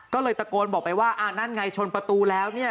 ก็เลยตะโกนบอกไปว่าอ่านั่นไงชนประตูแล้วเนี่ย